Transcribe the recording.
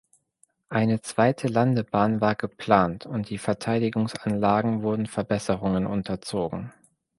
Eine zweite Landebahn war geplant und die Verteidigungsanlagen wurden Verbesserungen unterzogen.